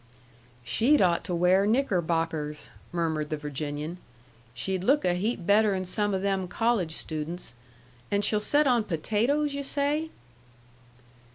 "She'd ought to wear knickerbockers," murmured the Virginian. "She'd look a heap better 'n some o' them college students. And she'll set on potatoes, yu' say?"